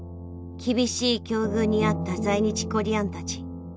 厳しい境遇にあった在日コリアンたち。